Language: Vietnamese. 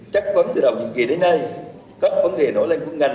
chắc vấn từ đầu nhiệm kỳ đến nay các vấn đề nổi lên của ngành